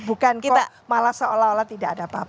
bukan kita malah seolah olah tidak ada apa apa